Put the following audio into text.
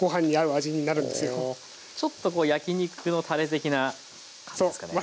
ちょっとこう焼き肉のたれ的な感じですかね？